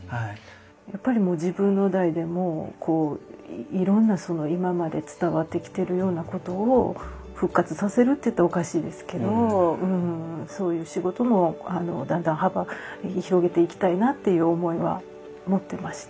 やっぱりもう自分の代でもういろんなその今まで伝わってきてるようなことを復活させるって言ったらおかしいですけどそういう仕事もだんだん幅広げていきたいなっていう思いは持ってまして。